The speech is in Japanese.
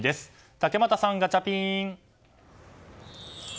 竹俣さん、ガチャピン！